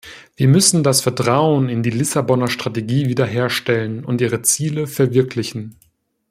Wir müssen das Vertrauen in die Lissabonner Strategie wiederherstellen und ihre Ziele verwirklichen.